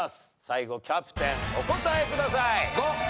最後キャプテンお答えください。